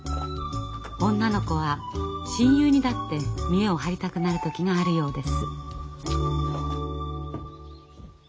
女の子は親友にだって見栄を張りたくなる時があるようです。